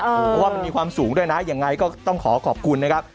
เพราะว่ามันมีความสูงด้วยนะยังไงก็ต้องขอขอบคุณนะครับ